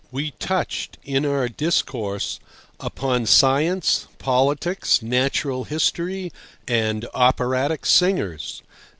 We touched, in our discourse, upon science, politics, natural history, and operatic singers.